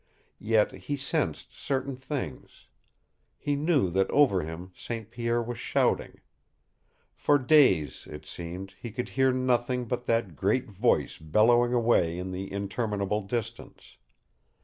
Yet he sensed certain things. He knew that over him St. Pierre was shouting. For days, it seemed, he could hear nothing but that great voice bellowing away in the interminable distance.